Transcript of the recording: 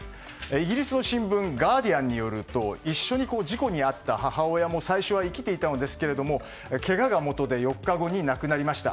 イギリスの新聞ガーディアンによると一緒に事故に遭った母親も最初は生きていたのですけれどもけががもとで４日後に亡くなりました。